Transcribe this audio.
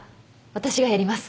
私がやります。